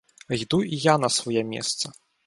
Йду і я на своє місце.